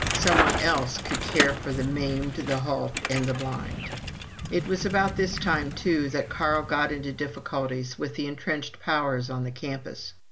Someone else could care for the maimed, the halt, and the blind. It was about this time, too, that Carl got into difficulties with the intrenched powers on the campus.